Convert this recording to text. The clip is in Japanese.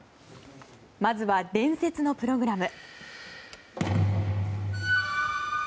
まずは、伝説のプログラム。